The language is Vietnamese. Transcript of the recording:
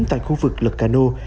tại khu vực lật cano